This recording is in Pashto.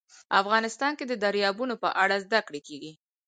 افغانستان کې د دریابونه په اړه زده کړه کېږي.